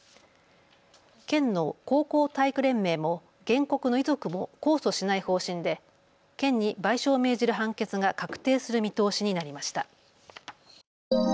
県の高校体育連盟も原告の遺族も控訴しない方針で県に賠償を命じる判決が確定する見通しになりました。